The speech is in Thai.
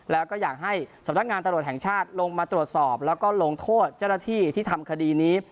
แล้วก็อยากให้สำนักงานตำรวจแห่งชาติลงมาตรวจสอบแล้วก็ลงโทษเจ้าหน้าที่ที่ทำคดีนี้